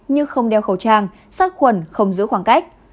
như không đeo khẩu trang sát khuẩn không giữ khoảng cách